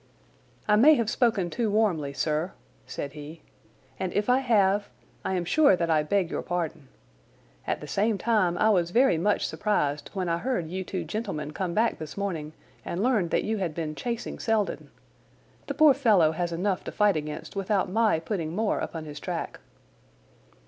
"I may have spoken too warmly, sir," said he, "and if I have, I am sure that I beg your pardon. At the same time, I was very much surprised when I heard you two gentlemen come back this morning and learned that you had been chasing Selden. The poor fellow has enough to fight against without my putting more upon his track."